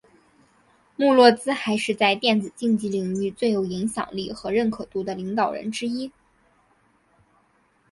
穆洛兹还是在电子竞技领域最有影响力和认可度的领导人之一。